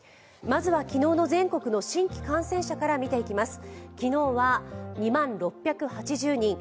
まずは昨日の全国の新規感染者から見ていきます。